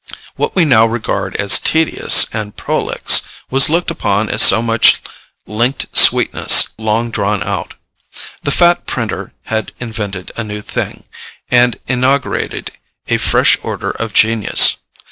What we now regard as tedious and prolix was looked upon as so much linked sweetness long drawn out. The fat printer had invented a new thing, and inaugurated a fresh order of genius.